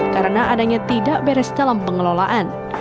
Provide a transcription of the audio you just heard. karena adanya tidak beres dalam pengelolaan